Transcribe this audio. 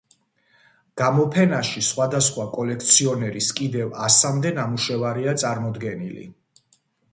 გამოფენაში სხვადასხვა კოლექციონერის კიდევ ასამდე ნამუშევარია წარმოდგენილი.